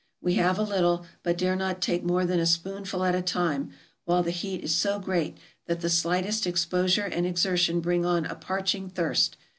We have a little, but dare not take more than a spoonful at a time, while the heat is so great that the slightest exposure and exertion bring on a parching thirst.